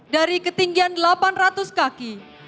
dari ketinggian delapan ratus kaki